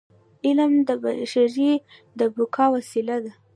علم د بشر د بقاء وسیله ده.